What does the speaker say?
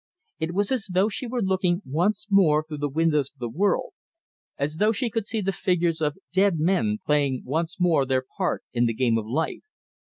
It was as though she were looking once more through the windows of the world, as though she could see the figures of dead men playing once more their part in the game of life.